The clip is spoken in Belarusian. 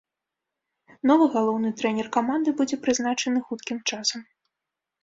Новы галоўны трэнер каманды будзе прызначаны хуткім часам.